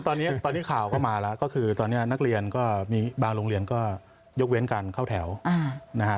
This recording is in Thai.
ตอนนี้ข่าวก็มาแล้วก็คือตอนนี้นักเรียนก็มีบางโรงเรียนก็ยกเว้นการเข้าแถวนะฮะ